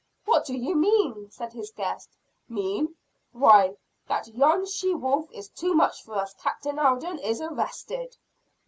"What do you mean?" said his guest. "Mean? Why, that yon she wolf is too much for us. Captain Alden is arrested!"